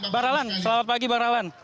bang rahlan selamat pagi bang rahlan